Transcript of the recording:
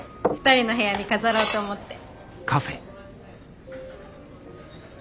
２人の部屋に飾ろうと思って。